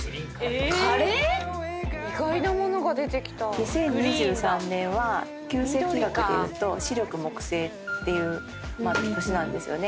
２０２３年は九星気学でいうと四緑木星っていう年なんですよね。